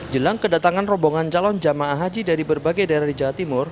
jelang kedatangan rombongan calon jamaah haji dari berbagai daerah di jawa timur